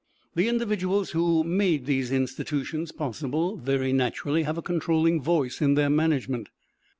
The individuals who made these institutions possible very naturally have a controlling voice in their management.